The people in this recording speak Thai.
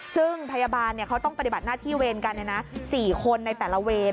ซึ่งพยาบาลเขาต้องปฏิบัติหน้าที่เวรกัน๔คนในแต่ละเวร